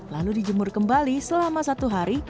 lalu dijemur kembali selama satu hari